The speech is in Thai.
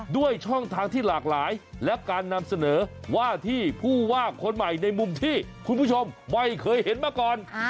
ด้วยช่องทางที่หลากหลายและการนำเสนอว่าที่ผู้ว่าคนใหม่ในมุมที่คุณผู้ชมไม่เคยเห็นมาก่อน